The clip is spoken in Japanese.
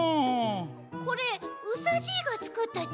これうさじいがつくったち？